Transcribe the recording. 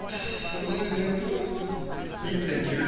６１．９０。